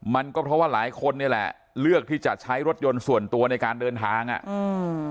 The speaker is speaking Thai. มันก็เพราะว่าหลายคนนี่แหละเลือกที่จะใช้รถยนต์ส่วนตัวในการเดินทางอ่ะอืม